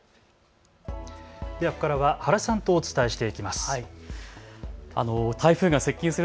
ここからは原さんとお伝えしていきます。